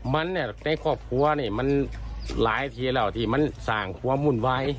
มันเนี่ยในครอบครัวนี่มันหลายทีแล้วที่มันสร้างความวุ่นวาย